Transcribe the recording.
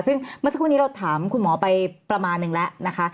ซึ่งเมื่อสักครู่นี้เราถามคุณหมอไปประมาณนึงแล้วนะคะ